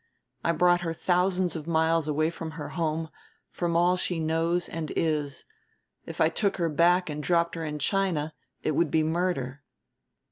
I brought her thousands of miles away from her home, from all she knows and is. If I took her back and dropped her in China it would be murder."